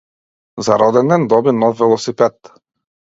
За роденден доби нов велосипед.